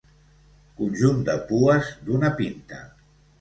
Conjunt de pues d'una pinta.